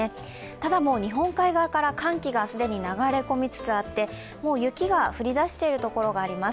ただ、日本海側から寒気が既に流れ込みつつあって、もう雪が降り出しているところがあります。